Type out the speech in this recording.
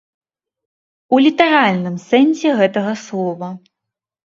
У літаральным сэнсе гэтага слова.